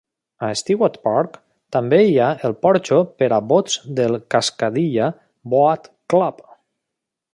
A Stewart Park també hi ha el porxo per a bots del Cascadilla Boat Club.